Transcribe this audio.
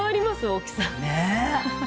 大きさ。ねぇ。